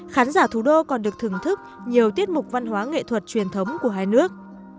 khán giả thủ đô còn được thưởng thức nhiều tiết mục văn hóa nghệ thuật truyền thống của hai nước